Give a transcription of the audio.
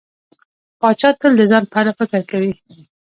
پاچا تل د ځان په اړه فکر کوي.